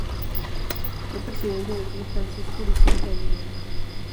Fue presidente del Club Francisco Vicente Aguilera.